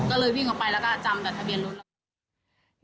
ก็เลยวิ่งออกไปแล้วก็จำแต่ทะเบียนรถแล้ว